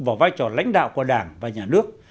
vào vai trò lãnh đạo của đảng và nhà nước